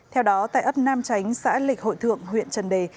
theo đó tại ấp nam chánh xã lịch hội thượng huyện trần đề